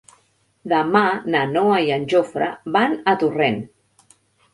Demà na Noa i en Jofre van a Torrent.